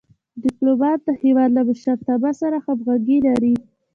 ډيپلومات د هېواد له مشرتابه سره همږغي لري.